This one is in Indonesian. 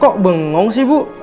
kok bengong sih bu